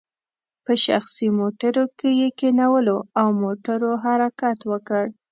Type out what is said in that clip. په شخصي موټرو کې یې کینولو او موټرو حرکت وکړ.